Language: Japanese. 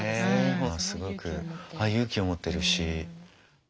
すごく勇気を持ってるし。